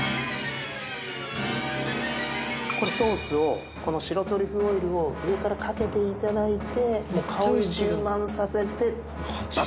これソースをこの白トリュフオイルを上からかけて頂いて香りを充満させてバッと。